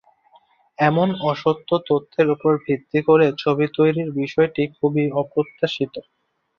এমন অসত্য তথ্যের ওপর ভিত্তি করে ছবি তৈরির বিষয়টি খুবই অপ্রত্যাশিত।